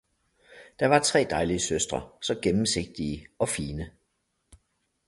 Der var tre dejlige søstre, så gennemsigtige og fine.